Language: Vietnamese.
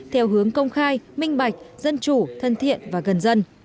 theo hướng công khai minh bạch dân chủ thân thiện và gần dân